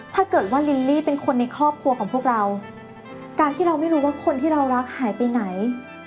ถ้าเกิดว่าลิลลี่เป็นคนในครอบครัวของพวกเราการที่เราไม่รู้ว่าคนที่เรารักหายไปไหน